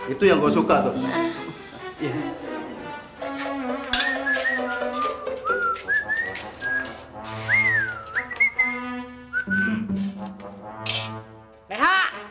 itu yang gue suka tuh